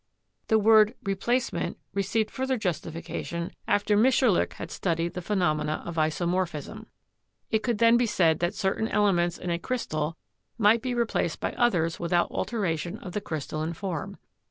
The word "replacement" received fur ther justification after Mitscherlich had studied the phe nomena of isomorphism. It could then be said that cer tain elements in a crystal might be replaced by others without alteration of the crystalline form.